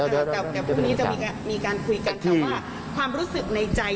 วันนี้จะมีการคุยกันแต่ว่าความรู้สึกในใจ